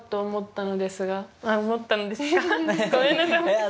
ごめんなさい。